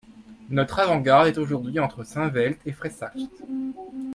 Notre avant-garde est aujourd'hui entre Saint-Veit et Freisach.